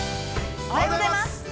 ◆おはようございます！